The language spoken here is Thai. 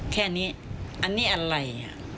แค่นี้อันนี้อะไร